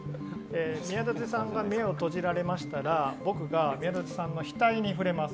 宮舘さんが目を閉じられましたら僕が宮舘さんの額に触れます。